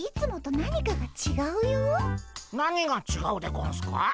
何がちがうでゴンスか？